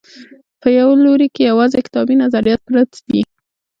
په یوه لوري کې یوازې کتابي نظریات پرت دي.